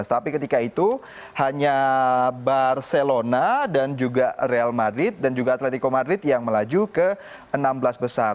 tapi ketika itu hanya barcelona dan juga real madrid dan juga atletico madrid yang melaju ke enam belas besar